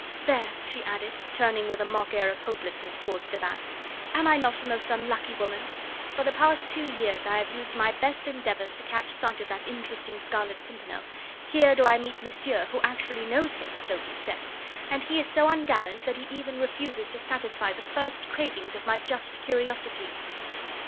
There!" she added, turning with a mock air of hopelessness towards de Batz, "am I not a most unlucky woman? For the past two years I have used my best endeavours to catch sight of that interesting Scarlet Pimpernel; here do I meet monsieur, who actually knows him (so he says), and he is so ungallant that he even refuses to satisfy the first cravings of my just curiosity."